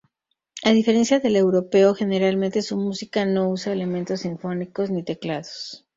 A diferencia del europeo, generalmente su música no usa elementos sinfónicos ni teclados.